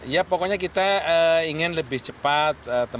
ya pokoknya kita ingin lebih cepat